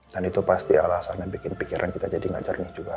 dan itu pasti alasannya bikin pikiran kita jadi gak jernih juga